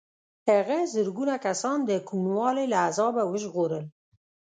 هغه زرګونه کسان د کوڼوالي له عذابه وژغورل.